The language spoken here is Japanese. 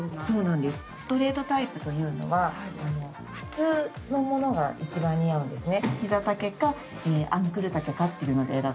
ストレートタイプというのは普通のものがいちばん似合うんですね。